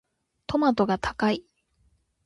トマトが高い。